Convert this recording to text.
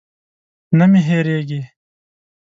نه مې هېرېږي.